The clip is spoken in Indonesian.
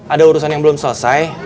ada urusan yang belum selesai